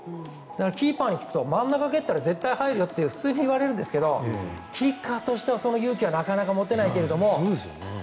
キーパーに聞くと真ん中に蹴ったら絶対に入るよって言われるんですけどキッカーとしては、その勇気はなかなか持てないけど。